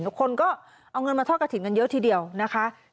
ทุกคนก็เอาเงินมาทอดกระถิ่นกันเยอะทีเดียวนะคะ